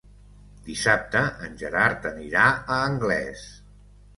Dissabte en Gerard anirà a Anglès.